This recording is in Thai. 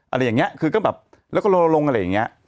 อะไรอย่างนี้คือก็แบบแล้วก็ลงอะไรอย่างเงี้ย